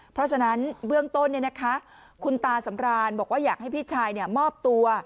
เพราะฉะนั้นเบื้องต้นคุณตาสำรานบอกว่าอยากให้พี่ชายมอบตัว